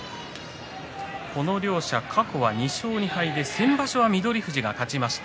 この両者過去は２勝２敗で先場所は翠富士が勝ちました。